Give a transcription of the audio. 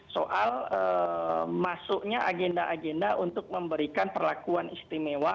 soal masuknya agenda agenda untuk memberikan perlakuan istimewa